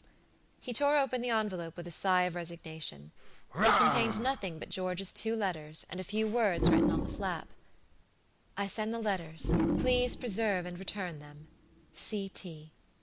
He tore open the envelope with a sigh of resignation. It contained nothing but George's two letters, and a few words written on the flap: "I send the letters; please preserve and return themC.T."